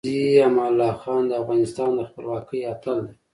غازې امان الله خان د افغانستان د خپلواکۍ اتل دی .